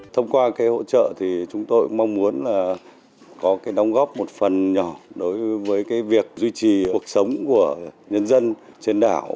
thông qua hỗ trợ chúng tôi mong muốn có đồng góp một phần nhỏ đối với việc duy trì cuộc sống của nhân dân trên đảo